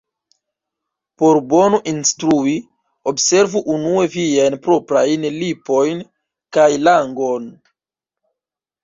Por bone instrui, observu unue viajn proprajn lipojn kaj langon.